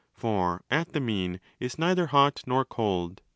For at the 'mean' is neither hot nor cold.